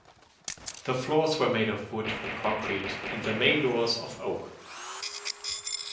The floors were made of wood on concrete and the main doors of oak.